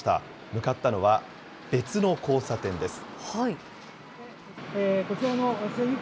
向かったのは、別の交差点です。